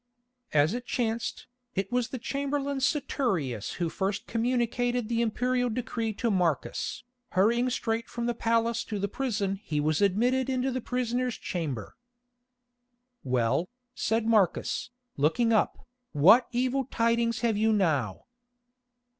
As it chanced, it was the chamberlain Saturius who first communicated the Imperial decree to Marcus. Hurrying straight from the palace to the prison he was admitted into the prisoner's chamber. "Well," said Marcus, looking up, "what evil tidings have you now?"